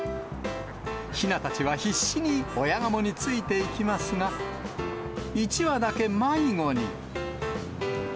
ひなたちは必死に親ガモについていきますが、１羽だけ迷子に。